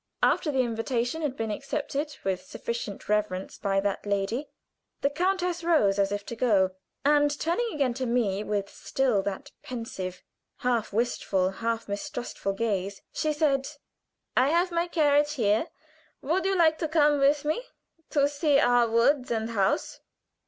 After the invitation had been accepted with sufficient reverence by that lady, the countess rose as if to go, and turning again to me with still that pensive, half wistful, half mistrustful gaze, she said: "I have my carriage here. Would you like to come with me to see our woods and house?